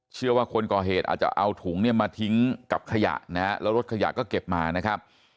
คนก่อเหตุอาจจะเอาถุงเนี่ยมาทิ้งกับขยะนะฮะแล้วรถขยะก็เก็บมานะครับ